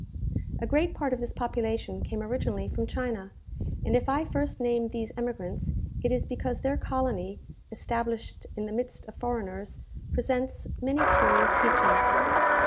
A great part of this population came originally from China; and if I first name these emigrants, it is because their colony, established in the midst of foreigners, presents many curious features.